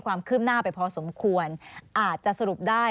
ก็สมควรอาจจะสรุปได้